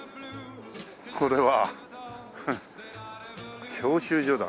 これは。教習所だ。